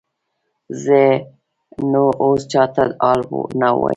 زه نو اوس چاته حال نه وایم.